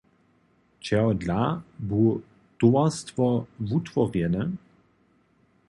Čehodla bu towarstwo wutworjene?